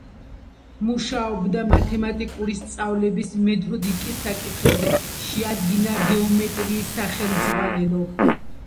მუშაობდა მათემატიკური სწავლების მეთოდიკის საკითხებზე, შეადგინა გეომეტრიის სახელმძღვანელო.